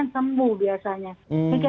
sembuh biasanya begitu